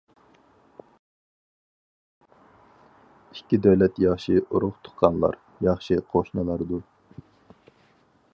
ئىككى دۆلەت ياخشى ئۇرۇق- تۇغقانلار، ياخشى قوشنىلاردۇر.